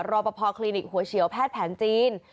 รอปภคลินิกหัวเฉียวแพทย์แผนจีน